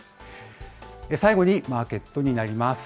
最後にマーケットになります。